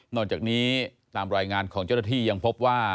จากนี้ตามรายงานของเจ้าหน้าที่ยังพบว่า